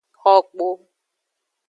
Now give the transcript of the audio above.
Xo kpo.